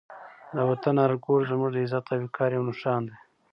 د وطن هر ګوټ زموږ د عزت او وقار یو نښان دی.